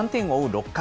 ６回。